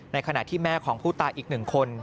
ในขณะที่แม่ของผู้ตายอีกหนึ่งคน